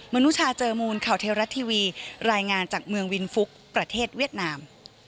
นุชาเจอมูลข่าวเทวรัฐทีวีรายงานจากเมืองวินฟุกประเทศเวียดนาม